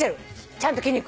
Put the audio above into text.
ちゃんと筋肉。